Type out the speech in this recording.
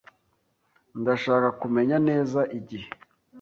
Ndashaka kumenya neza igihe.